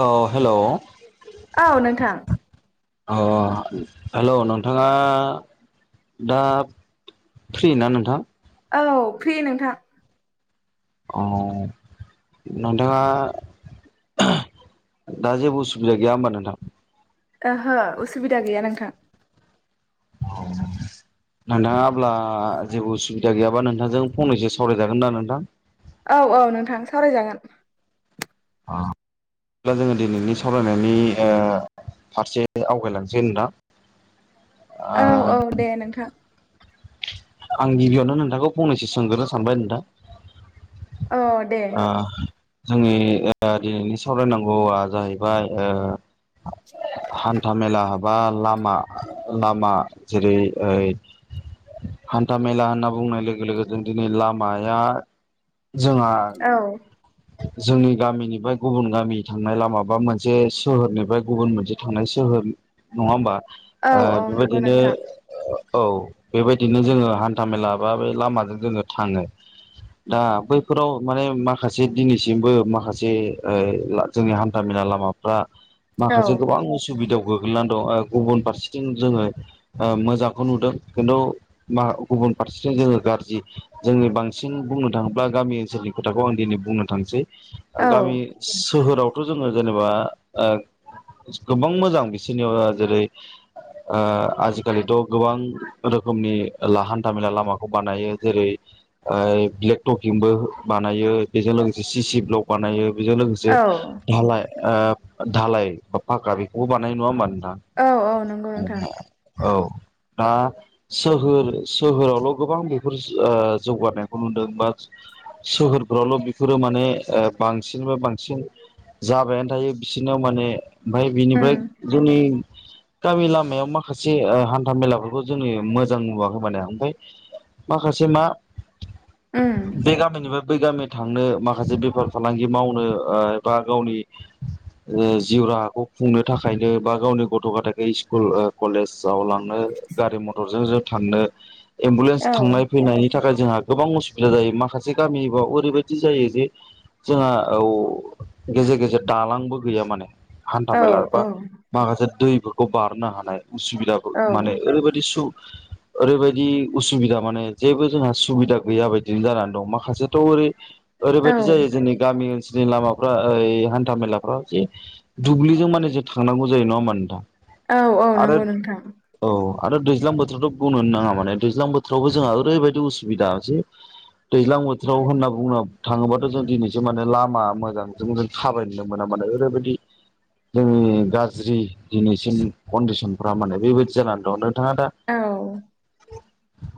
अ हेल'। अऔ नोंथां। अ हेल' नोंथाङा दा। फ्रि ना नोंथां। औ फ्रि नोंथां। अ नोंथाङा दा जेबो उसुबिदा गैया ओमबा नोंथां। ओहो उसुबिदा गैया नोंथां। अ नोंथाङा ब्ला [unintelligible] जेबो उसुबिदा गैयाबा नोंथांजों फंनैसो सावरायजागोन ना नोंथां। अऔ अऔ नोंथां सावरायजागोन। अ होबा [unintelligible] जोङो दिनैनि सावरायनायनि ओ फारसे आवगायलांसै नोंथां। ओ अऔ अऔ दे नोंथां। आं गिबियावनो नोंथांखौ फंनैसो सोंग्रोनो सानबाय नोंथां। औ दे ओ जोंनि [unintelligible] सावरायनांगौआ जाहैबाय ओ हान्था मेला बा लामा। लामा जेरै एै। हान्था मेला होनना बुंनाय लोगो लोगो जों दिनै लामाया जोंहा। अऔ जोंनि गामिनिफ्राय गुबुन गामि थांनाय लामा बा मोनसे सोहोरनिफ्राय गुबुन मोनसे थांनाय सोहोर नङा होमबा औ औ नंगौ बेबायदिनो नोंथां औ बेबायदिनो जोङो हान्था मेला बा बे लामाजों जोङो थाङो। दा बैफोराव माने माखासे से दिनैसिमबो माखासे ओ जोंनि हान्थामेला लामाफ्रा। औ माखासे गोबां उसुबिदाव। गोग्लैनानै दं गुबुन फारसेथिं जोङो मोजांखौ नुदों खिन्थु मा गुब गुबुन फारसेथिं जोङो गाज्रि जोंनि बांसिन बुंनो थाङोब्ला गामि ओनसोलनि खोथाखौ आं दिनै बुंनो थांसै औ गामि सोहोरावथ' जोङो जेनेबा गोबां मोजां बिसोरनियाव जेरै। ओ आजिखालिथ' गोबां रोखोमनि हान्था मेला लामाखौ बानायो जेरै। ब्लेक टफिंबो बानायो। बेजों लोगोसे सिसि ब्लक बानायो बेजों लोगोसे औ धालाय धालाय बा फाखा बेखौबो बानाय नङाबा। औ औ नंगौ नोंथां। अऔ। दा सोहोर सोहोरावल' गोबां बेफोर ओ जौगानायखौ नुदों बा- सोहोर। बिफोरावल' बेफोरो माने बांसिन बा बांसिन जाबायानो थायो बिसोरनाव माने [unintelligible] बा [unintelligible] य उम बिनिफ्राय जोंनि गामि लामायाव माखासे हान्था मेलाफोरखौ जोंओ मोजां नुवाखै माने ओमफ्राय माखासे मा उम बे गामिनिबो। बै गामि थांनो माखासे बेफार फालांगि मावनो ओ बा गावनि ओ जिउ राहाखौ खुंनो थाखायनो बा गावनि गथ' गथायाइ स्कुल ओ कलेज। जावलांनो गारि मटरजों जों थांनो एम्बुलेन्स औ थांनाय फैनायनि थाखाय जोंहा गोबां असुबिदा जायो माखासे गामि। ओरैबायदि जायो जे जोंहा औ गेजेर गेजेर दालांबो गैया माने औ हान्थाामेला औ बा माखासे दैफोरखौ बारनो हानाय उसुबिदाफोर औ माने ओरैबायदि सु ओरैबायदि उसुबिदा माने जेबो जोंहा सुबिदा गैया बायदि जानानै दं माखासे औ ओरै-ओरैबायदि जायो जोंनि गामि ओन जे लामाफ्रा ओइ हान्था मेलाफ्रा जे दुब्लिजों माने जे थांनांगौ जायो नङाहोमबा नोंथां औ औ आरो नंगौ नोंथां औ आरो दैज्लां बोथोरावथ' बुंनोनो नाङा माने दैज्लां बोथोरावबो जोंहा ओरैबायाददि उसुबिदा जे दैज्लां बो थोराव होनना बुंनो थाङोबाथ' जों दिनैसो माने लामा मोजांजों जों थाबायनो मोना माने ओरैबायदि जोंनि गाज्रि दिनैसिम कन्दिसनफ्रा माने बेबायदि जानानै दं नों थांङा दा औ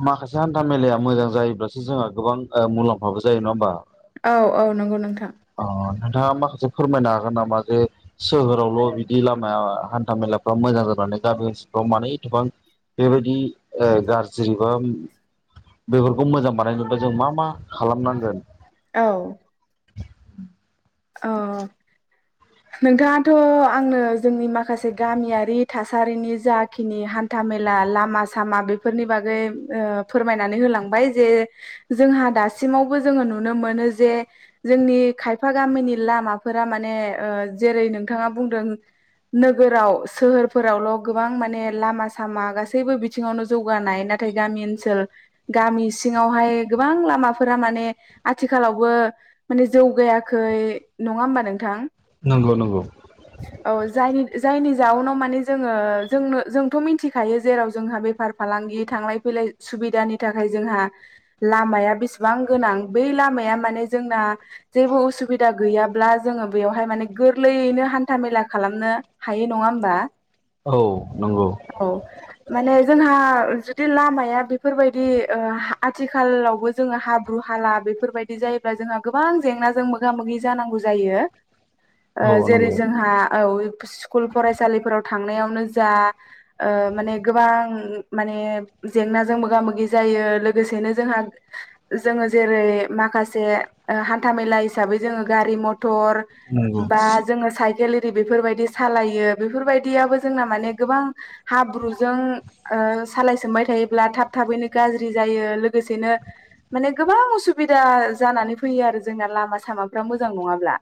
माखासे हान्था मेलाया मोजां जायोब्लासो जोंहा गोबां ओ मुलाम्फाबो जायो नङा होमबा। औ औ नंगौ नोंथां नोंथांङा माखासे फोरमायनो हागोन नामा जे सोहोरावल' बिदि लामाया हान्था मेलाफ्रा मोजां जानानै जाबो इसेबां मानिएथबां बेबादि ओ गाज्रि बा बेफोरखौ मोजां बानायनोब्ला जों मा मा खालामनांगोन। औ [inaudible] औ नोंथाङाथ' आंनो जोंनि माखासे गामियारि थासारिनि जाखिनि हान था मेला लामा सामा बेफोरनि बागैओ फोरमायनानै होलांबाय जे जोंहा दासिावबो जोंङो नुनो मोनो जे जोंनि खाय फा गामिनि लामाफोरा मानेओ जेरै नोंथाङा बुंदों नोगोराव सोहोरफोरावल' गोबां माने लामा सामा गासैबो बिथिङावनो जौगानाय ना थाय गामि ओनसोल गामि सिङावहाय गोबां लामाफोरा माने आथिखालावबो माने जौगाया खै नङा होमबा नोंथां नंगौ नंगौ जाउनाव माने जोंङो जोंनो जोंथ' मिथिखायो जेराव जोंहा बेफार फालांगि थांलाय फैलाय सु बिदानि थाखाय जोंहा लामाया बेसेबां गोनां बै लामाया माने जोंना जेबो उसु बिदा गैयाब्ला जोंङो बेवहाय माने गोरलैयैनो हान्था मेला खालामनो हायो नङा होमबा। औ नंगौ औ माने जोंहा जुदि लामाया बे फोरबायदि ओ आथिखालावबो जोंङो हाब्रु हाला बेफोरबायदि जायोब्ला जोंहा गोबां जेंनाजों मो गा मोगि जानांगौ जायो। ओ औ जेरै नंगौ जोंहा औ स्कुल फरायसालिफोराव थांनायावनो जा ओ माने गोबां माने जेंनाजों मोगा मोगि जा यो लोगोसेनो जोंहा जोंङो जेरै माखासे ओ हान्था मेला हिसाबै जोंङो गारि मथर नंगौ बा जोंङो साइखेल बेफोरबायदि सालायो बेफोरबायदियाबो जोंना माने गोबां हाब्रुजों ओ सालाय सोमबाय थायोब्ला थाब थाबैनो गाज्रि जायो लोगोसेनो माने गोबां उसुबिदा जानानै फैयो आरो जोंना लामा सामाफ्रा मोजां नङाब्ला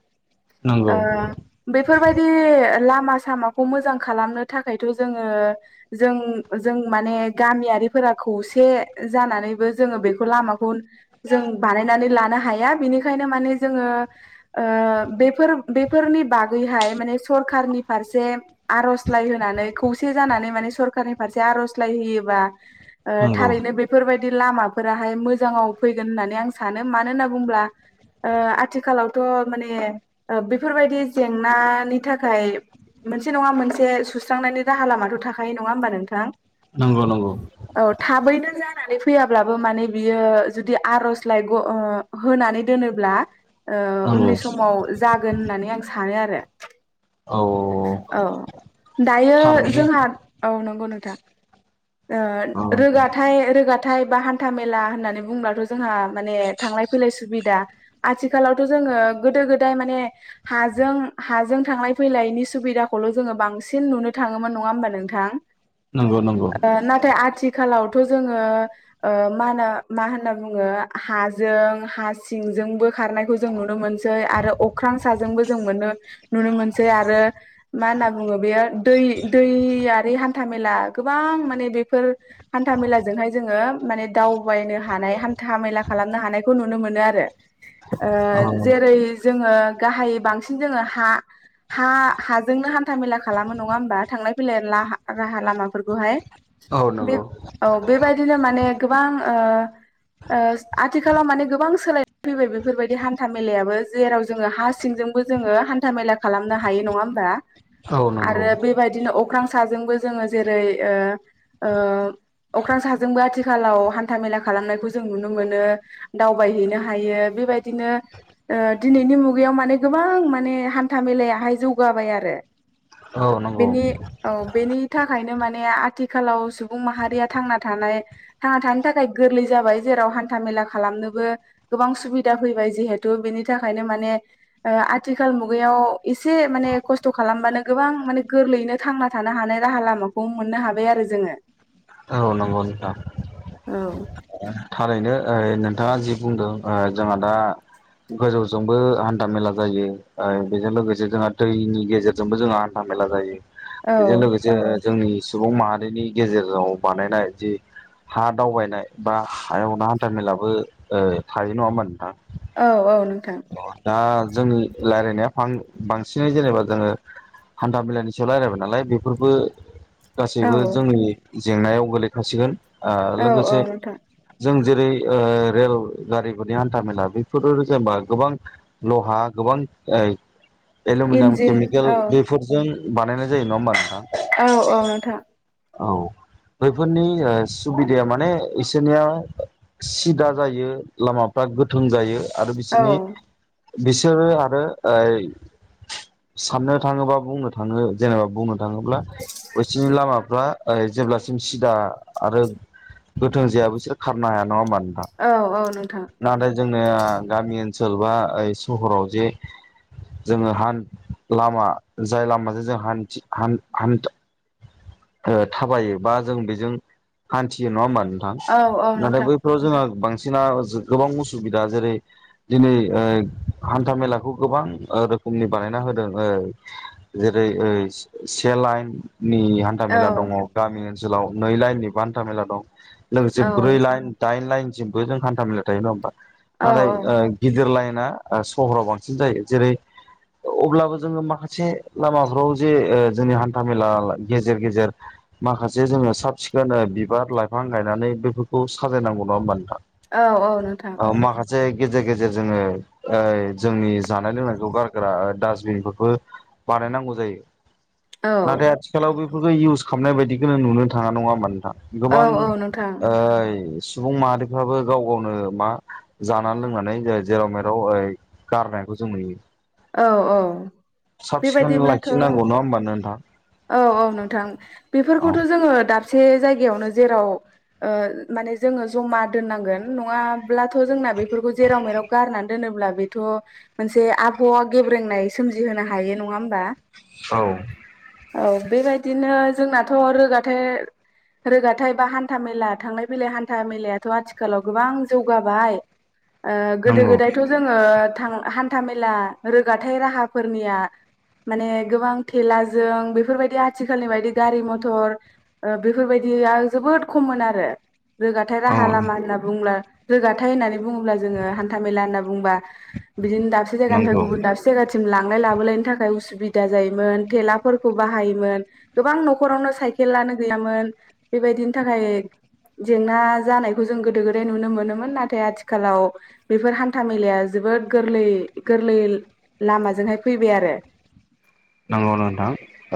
ओ नंगौ बेफोरबायदि ला मा सामाखौ मोजां खालामनो थाखायथ जोंङो जों माने गामियारिफोर खौसे जानानैबो जोंङो बेखौ लामाखौ जों बानायनानै लानो हाया बेनिखायनो माने जोंङो ओ बेफोर-बेफोरनि बागैहाय माने सरखारनि फारसे आर'जलाइ होनानै खौसे जानानै माने सरखारारनि फारसे आर'जलाइ होयोबा ओ नंगौ थारैनो बेफोरबाय दि लामाफोराहाय मोजां आव फैगोन होननानै आं सानो मानो होनना बुंङोब्ला ओ आथिखालावथ' माने ओ बेफोरबायदि जेंनानि थाखाय मोनसे नङा मोनसे सुस्रांनायनि राहा लामाथ' थाखायो नङा होमबा नोंथां। नंगौ नंगौ औ [unintelligible] फैयाब्लाबो माने बियो जुदि आर'जलाइ ग' होनानै दोनोब्ला ओ नंगौ उननि समाव जागोन होननानै आं सानो आरो औ औ दायो थारैनो जोंहा औ नंगौ नों थां ओ औ रोगाथाय-रोगाथाय बा हान्था मे ला होननानै बुंब्लाथ' जोंहा माने थांलाय फैलाय सुबिदा आथिखालावथ' जोङो गोदो गोदाय माने हाजों-हाजों थांलाय फैलायनि सुबिदाखौ ल' जोङो बांसिन नुनो थाङोमोन नङा होमबा नोंथां नंगौ नंगौ ओ नाथाय आथिखालाव थ' जोङो ओ मा होनो मा होनना बुङो हाजों हा सिंजोंबो खारनायखौ जों नुनो मोनसै आरो अख्रां साजोंबो जों मोनो नुनो मोनसै आरो मा होनना बुङो बेयो दै-दैयारि हान्था मेला गोबां माने बेफोर हान्था मेलाजोंहाय जोङो माने दावबायनो हानाय हान्था मेला खालाम नो हानायखौ नुनो मोनो आरो ओ औ जेरै जोङो गाहाय बां सिन जोङो हा हा हाजोंनो हान्था मेला खालामो नङा होमबा थांलाय फैलायनि [unintelligible] लामाफोरखौहाय औ बे नंगौ औ बेबायदिनो माने गोबां ओ ओ आ थिखालाव माने गोबां सोलाय फैबाय बेफोरबायदि हान्था मेलायाबो जेराव जोङो हा सिंजोंबो जोङो हान्था मेला खालामनो हायो नङा होमबा औ नंगौ आरो बेबायदिनो अख्रां साजोंबो जोङो जेरै ओ ओ अख्रां साजोंबो आथिखालाव हान्था मेला खा लामनायखौ जों नुनो मोनो दावबायहैनो हायो बेबादिनो ओ दिनैनि मुगायाव माने गोबां माने हान्था मेलायाहाय जौगाबाय आरो औ नंगौ बेनि औ बेनि थाखायनो मा ने आथिखालाव सुबुं माहारिया थां थानाय थांना थानो थाखाय गोरलै जाबाय जेराव हान्था मे ला खालामनोबो गोबां सुबिदा फैबाय जिहेथु बेनि थाखायनो माने ओ आथिखाल मुगायाव इसे मा ने खस्थ' खालामबानो गोबां माने गोरलैयैनो थांना थानो हानाय राहा लामाखौ मोननो हाबाय आरो जोङो औ नागौ नोथां औ थारैनो ओ नोंथाङा जि बुंदों ओ जोंहा दा गोजौजोंबो हान्था मेला जायो ओइ बेजों लोगोसे जोंहा दैनि गेजेरजोंबो जोंहा हान्था मेला जायो औ बेजों लोगोसे जोंनि सुबुं माहारिनि गेजेराव बानायनाय जि हा दावबायनाय बा हायावना हान्था मेलाबो ओ थायो नुवा होमबा नोंथां औ औ नोंथां अ दा जोंनि लायरायनाया फां बांसिनै जेनेबा जोङो हान्था मेलानि सायाव लायरायबाय नालाय बेफोरबो औ गासैबो जोंनि जेंनायाव गोलैखासिगोन ओ औ औ लोगोसे नोंथां जों जेरै ओ रेल गारिफोरनि हान्थामेला बेफोरो जेनबा गोबां लहा गोबां ओ एलुमिनियाम इन्जिन केमिकेल औ बेफोरजों बानायनाय जायो नुवा होमबा नोंथां औ औ नोंथां औ बैफोरनि ओ सुबिदाया माने इसोरनिया सिदा जायो लामा फ्रा गोथों जायो आरो औ बिसोरनि बिसोरो आरो ओ साननो थाङोबा बुंनो थाङो जेनेबा बुंनो थाङोब्ला बेसिनि लामाफ्रा ओइ जेब्लासिम सिदा आरो गोथों जाया बिसोर खारनो हाया नङा होमबा औ औ नोंथां जोंनि गामि ओनसोल बा ओ सहराव जे जोङो हान लामा जाय लामाजों जों हान्थि हान्थ हान्थ थाबायो बा जों बेजों हान्थियो नङा होमबा नों थां औ औ नाथाय नोंथां बैफोराव जोंहा बां सिना गोबां उसुबिदा जेरै दिनै ओ हान्था मेलाखौ गोबां रोखोमनि बानायना होदों ओ जेरै ओस से लाइननि औ हान्थाामेला दङ गामि ओनसोलाव नै लाइननि बा हान्था मेला दं। लोगोसे औ ब्रै लाइन दाइन लाइनसिमबो जों हान्था मेला थायो नङा होमबा औ नाथाय औ गिदिर लाइन सहराव बांसिन जायो जेरै अब्लाबो जोङो माखासे लामाफ्राव जे ओ जोंनि हान्था मेला गेजेर गेजेर माखासे जोङो साब सिखोन बिबार लाइफां गायनानै बेफोरखौ साजायनांगौ ना होमबा नोंथां औ औ नोंथां जे गेजेर गेजेर जोङो ओ जोंनि जानाय लोंनायखौ गारग्रा डासबिनफोरखौ बानायनांगौ जायो। औ नाथाय आथिखालाव बेफोरखौ इउस खालामनाय बायदिखौनो नुनो थाङा नङा होमा नोंथां। औ गोबां औ नोंथां ओइ सुबुं माहारिफ्राबो गाव गावनो मा जानानै लोंनानै जेराव मेर राव गारनायखौ जों नुयो। औ औ साब सिखोन बेबायदिब्लाथ' लाखिनांगौ नङा होमबा नोंथां औ औ नोंथां औ बेफोरखौथ' जोङो दाब से जायगायावनो जेराव ओ माने जोङो ज'मा दोननांगोन नङाब्लाथ' जोंना बेफोरखौ जेराव मेराव गारनानै दोनोब्लख बेथ' मोनसे आ फावा गेब्रेंनाय सोमजिहोनो हायो नङा होमबा। औ औ बेबायदिनो जोंनाथ' रोगाथाय रोगाथाय बा हान्था मेला थांलाय फैलाय हान्था मेलायाथ' आथिखालाव गोबां जौगाबाय [inaudible] ओ गोदो नंगौ गोदायथ' जोङो हान्थामेला रोगाथाय राहाफोरनिया माने गोबां थेलाजों बेफोरबायदि आथिखालनि बायदि गारि मथर ओ बेफोरबाय जोआ जोबोद खममोन आरो रोगाथाय औ राहा लामा होनना बुंब्ला रोगाथाय होननानै बुङोब्ला जोङो हान्था मेला होनना बुंबा बिदिनो दाबसे जायगानिफ्राय नंगौ गुबुन दाबसे जायगा सिम लांलाय लाबोलायनि थाखाय उसुबिदा जायोमोन थेलाफोरखौ बाहायोमोन गोबां नखरावनो साइ खेलआनो गैयामोन बेबायदिनि थाखाय जेंना जानायखौ जों गोदो गोदाय नुनो मोनोमोन नाथाय आथिखालाव बेफोर हान्था मेलाया जों बोद गोरलै गोरलै लामाजोंहाय फैबाय आरो। नंगौ नोंथां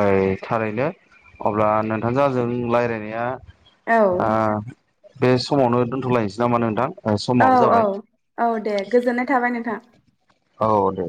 ओइ थारैनो अब्ला नोंथांजों जों रायलायनाया ओ औ बे समावनो दोनथ'लायनोसै नामा नोंथां। औ समाबो औ जाबाय औ दे गोजोननाय थाबाय नोंथां औ दे